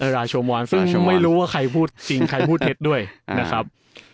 ชมวอนซึ่งไม่รู้ว่าใครพูดจริงใครพูดเท็จด้วยนะครับ